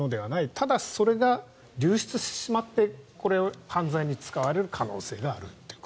ただ、それが流出してしまって犯罪に使われる可能性があると。